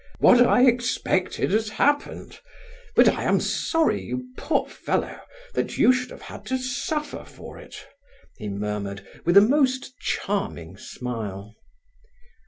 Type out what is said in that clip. "What I expected has happened! But I am sorry, you poor fellow, that you should have had to suffer for it," he murmured, with a most charming smile.